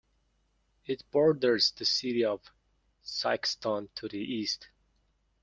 It borders the city of Sikeston to the east.